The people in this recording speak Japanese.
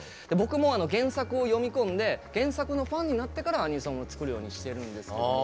僕も原作を読みこんで原作のファンになってからアニソンを作るようにしてるんです。